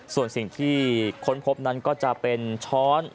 ส่วนสิ่งที่ค้นพบนั้นก็จะเป็นช้อน